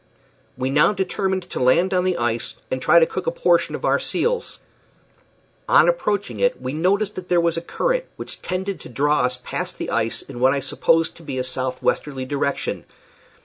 We now determined to land on the ice, and try to cook a portion of our seals. On approaching it we noticed that there was a current which tended to draw us past the ice in what I supposed to be a southwesterly direction.